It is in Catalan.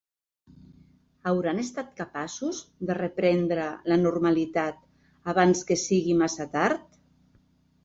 Hauran estat capaços de reprendre la normalitat abans que sigui massa tard?